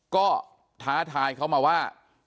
ก็ท้าทายเขามาว่า